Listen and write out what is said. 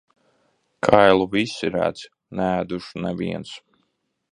Kailu visi redz, neēdušu neviens.